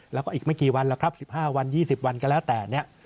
แล้วก็อีกไม่กี่วันแล้วครับ๑๕วัน๒๐วันก็แล้วแต่เนี่ย